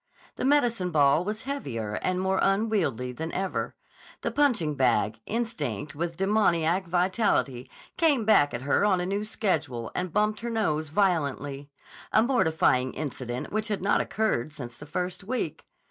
The medicine ball was heavier and more unwieldy than ever. The punching bag, instinct with a demoniac vitality, came back at her on a new schedule and bumped her nose violently, a mortifying incident which had not occurred since the first week.